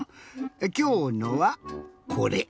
きょうのはこれ。